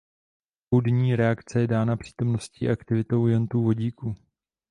Půdní reakce je dána přítomností a aktivitou iontů vodíku.